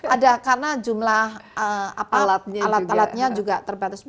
ada karena jumlah alat alatnya juga terbatas